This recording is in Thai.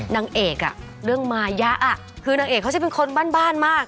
นางเอกอ่ะเรื่องมายะคือนางเอกเขาจะเป็นคนบ้านมาก